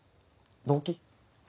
動機？